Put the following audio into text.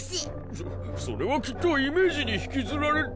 そそれはきっとイメージに引きずられて。